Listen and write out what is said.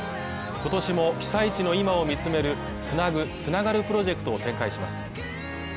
今年も、被災地の今を見つめる「つなぐ、つながる」プロジェクトを展開します。